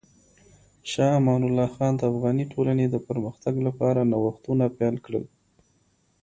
شاه امان الله خان د افغاني ټولنې د پرمختګ لپاره نوښتونه پیل کړل.